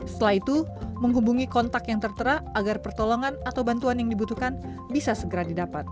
setelah itu menghubungi kontak yang tertera agar pertolongan atau bantuan yang dibutuhkan bisa segera didapat